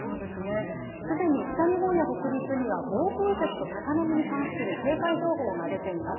既に北日本や北陸には暴風雪と高波に関する警戒情報が出ています。